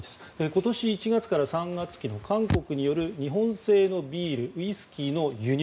今年１月から３月期の韓国による日本製のビール・ウイスキーの輸入。